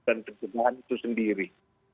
dan pencegahan itu sendiri